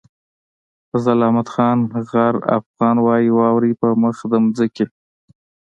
فضل احمد خان غر افغان وايي واورئ په مخ د ځمکې.